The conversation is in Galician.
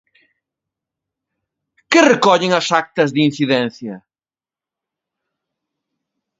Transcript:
Que recollen as actas de incidencia?